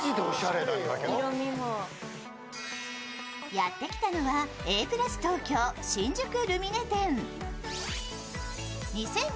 やって来たのはＡ＋ＴＯＫＹＯ新宿ルミネ店。